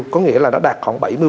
có nghĩa là nó đạt khoảng bảy mươi